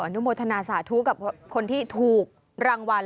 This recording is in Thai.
นุโมทนาสาธุกับคนที่ถูกรางวัล